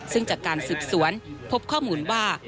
ซึ่งจากการสืบสวนพบข้อมูลว่า